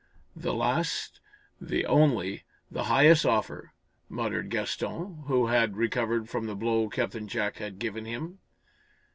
"The last, the only, the highest offer," muttered Gaston, who had recovered from the blow Captain Jack had given him.